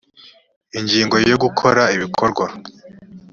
ingingo ya gukora ibikorwa